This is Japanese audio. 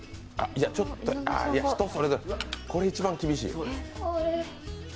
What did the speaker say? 人それぞれ、これ一番厳しい。